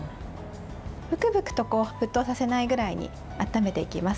ブクブクと沸騰させないぐらいに温めていきます。